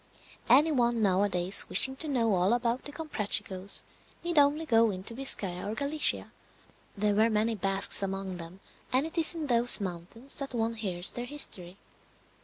Any one nowadays wishing to know all about the Comprachicos need only go into Biscaya or Galicia; there were many Basques among them, and it is in those mountains that one hears their history.